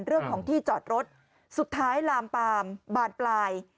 เรื่องของที่จอดรถสุดท้ายลามปามบานปลาย